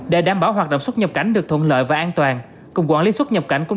để đảm bảo hoạt động xuất nhập cảnh được thuận lợi và an toàn cục quản lý xuất nhập cảnh cũng